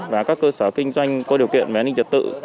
và các cơ sở kinh doanh có điều kiện về an ninh trật tự